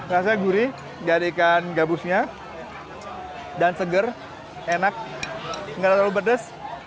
rasanya gurih dari ikan gabusnya dan seger enak nggak terlalu pedes